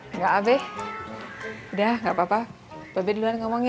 enggak be udah gak apa apa ba be duluan yang ngomong ya